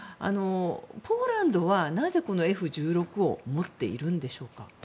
ポーランドは、なぜＦ１６を持っているんでしょうか？